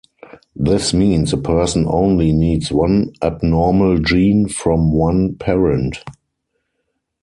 This means a person only needs one abnormal gene from one parent.